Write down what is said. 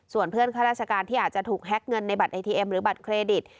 ส่วนเพื่อนข้าราชการที่อาจจะถูกแฮ็กเงินในบัตรเอทีเอ็มหรือบัตรเครดิต